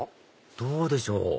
どうでしょう？